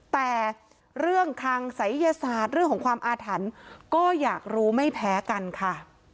แต่เรื่องทางศัยยศาสตร์เรื่องของความอาถรรพ์ก็อยากรู้ไม่แพ้กันค่ะ